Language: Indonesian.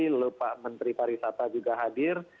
lalu pak menteri pariwisata juga hadir